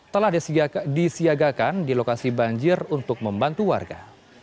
telah disiagakan di lokasi banjir untuk membantu warga